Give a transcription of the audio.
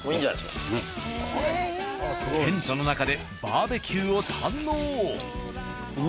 テントの中でバーベキューを堪能。